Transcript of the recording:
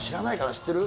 知ってる？